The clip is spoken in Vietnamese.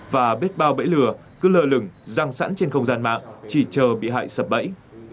và biết bao bẫy lừa cứ lờ lửng giang sẵn trên không gian mạng chỉ chờ bị hại sập bẫy